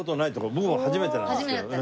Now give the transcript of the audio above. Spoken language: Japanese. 僕も初めてなんですけど。